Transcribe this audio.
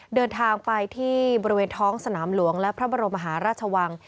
เดินทางไปที่บริเวณท้องสนามหลวงและพระบรมมหาราชวัง